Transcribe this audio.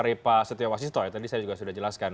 dari pak setiawasisto ya tadi saya juga sudah jelaskan